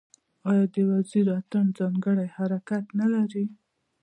آیا د وزیرو اتن ځانګړی حرکت نلري؟